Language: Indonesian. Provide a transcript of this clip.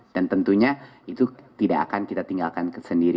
dan tentunya itu tidak akan kita tinggalkan ke sendiri